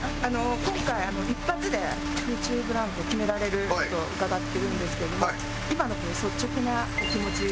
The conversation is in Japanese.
今回一発で空中ブランコ決められると伺ってるんですけれども今の率直なお気持ち。